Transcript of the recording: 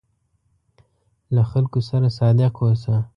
له خلکو سره صادق اوسه.